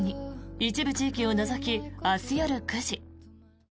一部地域を除き、明日夜９時。